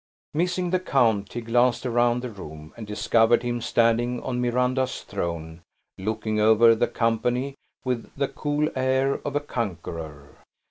Missing the count, he glanced around the room, and discovered him standing on Miranda's throne, looking over the company with the cool air of a conqueror.